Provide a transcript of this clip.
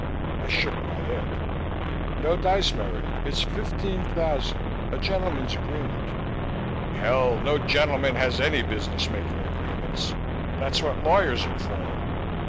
I shook my head. "No dice, Merry. It's fifteen thousand a gentleman's agreement." "Hell! no gentleman has any business making agreements. That's what lawyers are for."